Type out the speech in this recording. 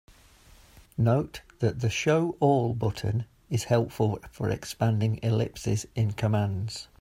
Note that the "Show all" button is helpful for expanding ellipses in commands.